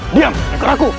diam ikut aku